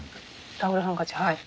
タオルハンカチはい。